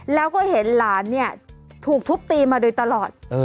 แล้วก็เห็นหลานเนี่ยถูกทุบตีมาโดยตลอด